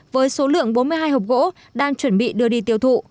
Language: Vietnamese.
với số lượng bốn mươi hai hộp gỗ đang chuẩn bị đưa đi tiêu thụ